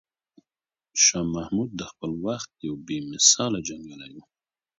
شاه محمود د خپل وخت یو بې مثاله جنګیالی و.